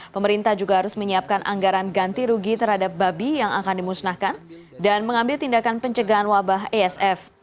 pemerintah juga harus menyiapkan anggaran ganti rugi terhadap babi yang akan dimusnahkan dan mengambil tindakan pencegahan wabah esf